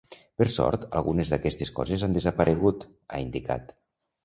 Per sort algunes d’aquestes coses han desaparegut, ha indicat.